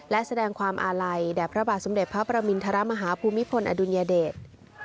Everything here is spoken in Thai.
และแสดงความอาลัยแด่พระบาทสมเด็จพระประมินทรมาฮาภูมิพลอดุลยเดช